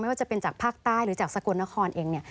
ไม่ว่าจะเป็นจากภาคใต้หรือจากสกวรนครเอง